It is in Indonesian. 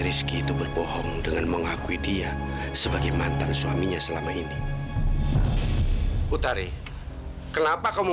rizki itu berbohong dengan mengakui dia sebagai mantan suaminya selama ini utare kenapa kamu